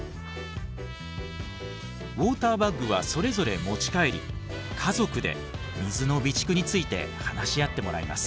ウォーターバッグはそれぞれ持ち帰り家族で「水の備蓄」について話し合ってもらいます。